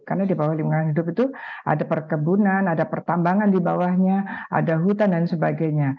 karena di bawah lingkungan hidup itu ada perkebunan ada pertambangan di bawahnya ada hutan dan sebagainya